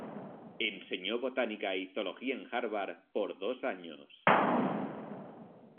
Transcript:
Enseñó botánica y zoología en Harvard por dos años.